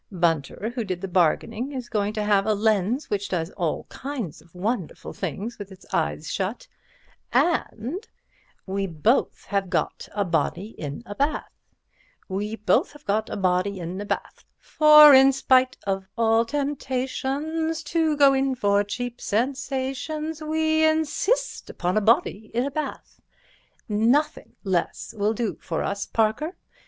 Bunter, who did the bargaining, is going to have a lens which does all kinds of wonderful things with its eyes shut, and We both have got a body in a bath, We both have got a body in a bath— For in spite of all temptations To go in for cheap sensations We insist upon a body in a bath— Nothing less will do for us, Parker.